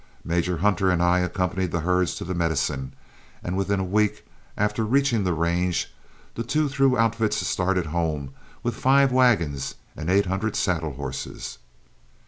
Major Hunter and I accompanied the herds to the Medicine, and within a week after reaching the range the two through outfits started home with five wagons and eight hundred saddle horses.